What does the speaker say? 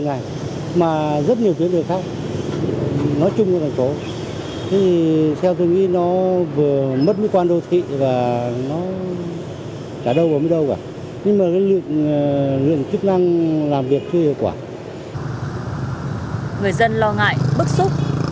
người dân lo ngại bức xúc